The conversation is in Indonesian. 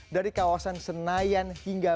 dari kawasan senayan hingga